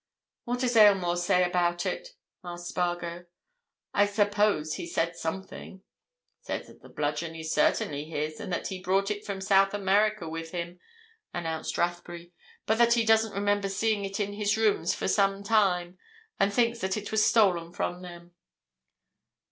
"What does Aylmore say about it?" asked Spargo. "I suppose he's said something?" "Says that the bludgeon is certainly his, and that he brought it from South America with him," announced Rathbury; "but that he doesn't remember seeing it in his rooms for some time, and thinks that it was stolen from them."